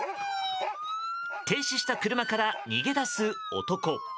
停止した車から逃げ出す男。